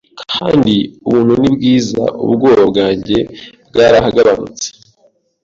Kandi ubuntu nibwiza ubwoba bwanjye bwaragabanutse